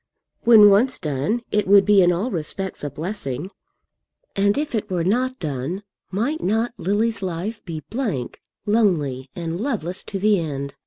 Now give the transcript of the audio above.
When once done it would be in all respects a blessing. And if it were not done, might not Lily's life be blank, lonely, and loveless to the end?